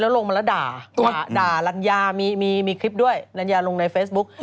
ลงมาแล้วด่าด่าลัญญามีคลิปด้วยลัญญาลงในเฟซบุ๊ก